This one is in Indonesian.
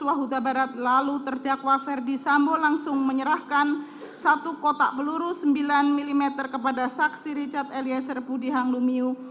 wahuta barat lalu terdakwa ferdi sambo langsung menyerahkan satu kotak peluru sembilan mm kepada saksi richard eliezer budi hanglumiu